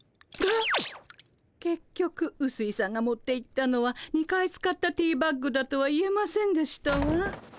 けっきょくうすいさんが持っていったのは２回使ったティーバッグだとは言えませんでしたわ。